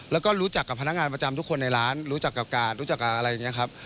แล้วก็รู้จักกับพนักงานประจำทุกคนในร้านรู้จักกับกาดรู้จักกับอะไรอย่างนี้ครับ